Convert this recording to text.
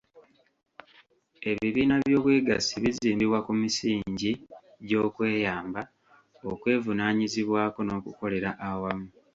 Ebibiina by’Obwegassi bizimbibwa ku misingi gy’okweyamba, okwevunaanyizibwako n’okukolera awamu.